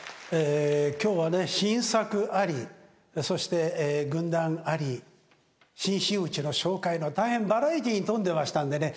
今日はね新作ありそして軍談あり新真打の紹介の大変バラエティーに富んでましたんでね